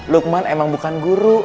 lukman emang bukan guru